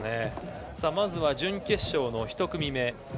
まずは準決勝の１組目。